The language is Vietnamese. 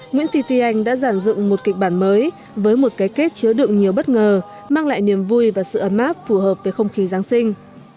nguyễn phi phi anh đã giản dựng một kịch bản mới với một cái kết chứa đựng nhiều bất ngờ mang lại niềm vui và sự ấm áp phù hợp với không khí giáng sinh